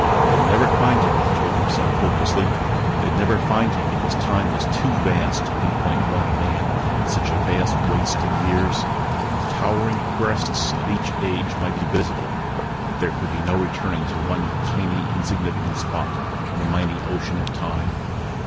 They'd never find him, he told himself hopelessly. They'd never find him because Time was too vast to pinpoint one man in such a vast waste of years. The towering crests of each age might be visible but there could be no returning to one tiny insignificant spot in the mighty ocean of Time.